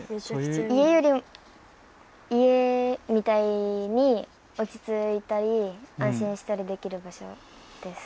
家より家みたいに落ち着いたり安心したりできる場所です。